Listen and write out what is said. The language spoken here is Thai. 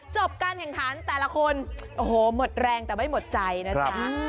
การแข่งขันแต่ละคนโอ้โหหมดแรงแต่ไม่หมดใจนะจ๊ะ